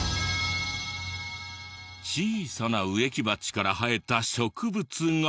小さな植木鉢から生えた植物が。